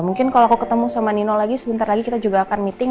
mungkin kalau aku ketemu sama nino lagi sebentar lagi kita juga akan meeting